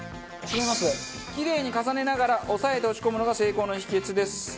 キレイに重ねながら押さえて押し込むのが成功の秘訣です。